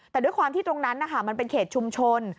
แต่ด้วยความที่ตรงนั้นมันเป็นเขตชุมชน